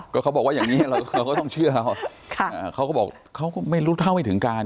ก็เขาบอกว่าอย่างนี้เราก็ต้องเชื่อเขาก็บอกเขาก็ไม่รู้เท่าไม่ถึงการ